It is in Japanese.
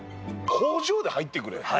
工場で入ってくれ？